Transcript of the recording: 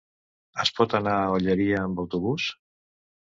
Es pot anar a l'Olleria amb autobús?